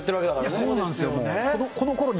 そうなんすよ。